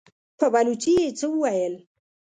په بلوڅي يې څه وويل!